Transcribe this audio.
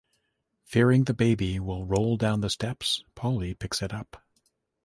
Fearing the baby will roll down the steps, Polly picks it up.